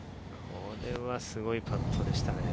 これはすごいパットでしたね。